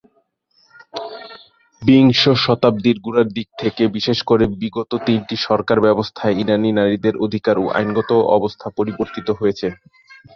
বিংশ শতাব্দীর গোড়ার দিক থেকে, বিশেষ করে বিগত তিনটি সরকার ব্যবস্থায় ইরানি নারীদের অধিকার ও আইনগত অবস্থা পরিবর্তিত হয়েছে।